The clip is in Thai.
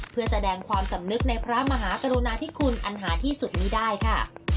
เพื่อแสดงความสำนึกในพระมหากรุณาธิคุณอันหาที่สุดมีได้ค่ะ